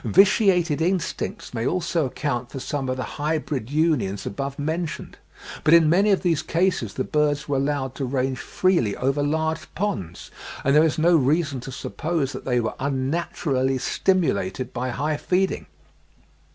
Vitiated instincts may also account for some of the hybrid unions above mentioned; but in many of these cases the birds were allowed to range freely over large ponds, and there is no reason to suppose that they were unnaturally stimulated by high feeding.